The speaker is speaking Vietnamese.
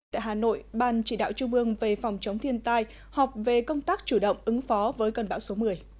tại hà nội ban chỉ đạo trung ương về phòng chống thiên tai họp về công tác chủ động ứng phó với cơn bão số một mươi